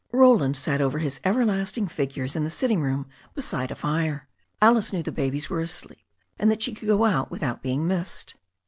Roland sat over his everlasting figures in the sitting rown, beside a fire. Alice knew the babies were asleep, and that she could be out without being missed.